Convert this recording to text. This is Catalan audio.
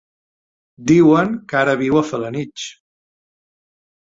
Diuen que ara viu a Felanitx.